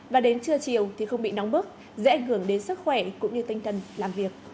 và đến trưa chiều thì không bị nóng bức dễ ảnh hưởng đến sức khỏe cũng như tinh thần làm việc